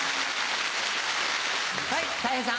はいたい平さん。